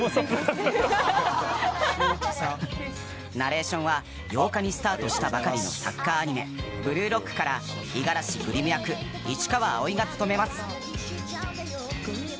ナレーションは８日にスタートしたばかりのサッカーアニメ「ブルーロック」から五十嵐栗夢役市川蒼が務めます！